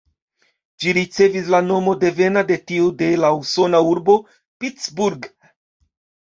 Ĝi ricevis la nomo devena de tiu de la usona urbo Pittsburgh.